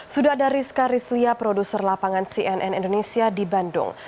sudah ada rizka rizlia produser lapangan cnn indonesia di bandung